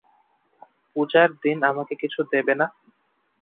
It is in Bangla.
পূজার দিন আমাকে কিছু দেবে না?